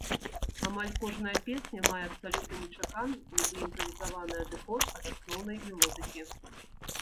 Амаль кожная песня мае абсалютна нечаканы нібы імправізаваны адыход ад асноўнай мелодыкі.